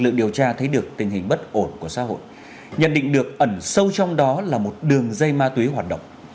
điều tra thấy được tình hình bất ổn của xã hội nhận định được ẩn sâu trong đó là một đường dây ma túy hoạt động